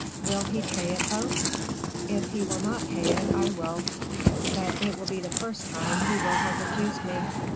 "Will he pay it, though?" "If he will not pay it, I will; but it will be the first time he will have refused me."